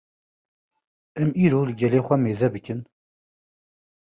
Em îro li gelê xwe mêze bikin